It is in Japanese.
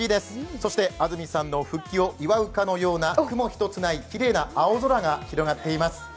そして安住さんの復帰を祝うかのような雲一つない青空が広がっています。